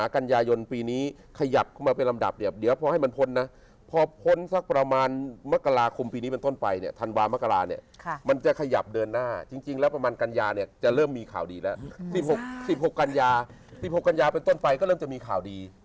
๑๖กันยาเป็นต้นไปก็เริ่มจะมีข่าวดี